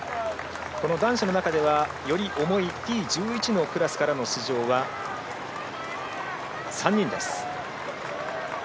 男子の中ではより重いＴ１１のクラスからの出場は３人です。